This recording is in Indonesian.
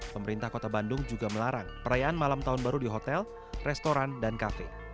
pemerintah kota bandung juga melarang perayaan malam tahun baru di hotel restoran dan kafe